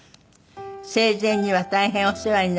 「生前には大変お世話になりました」